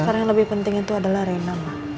sekarang yang lebih penting itu adalah reina ma